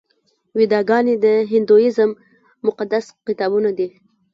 ویداګانې د هندویزم مقدس کتابونه دي.